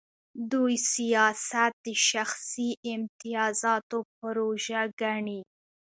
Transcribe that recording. دوی سیاست د شخصي امتیازاتو پروژه ګڼي.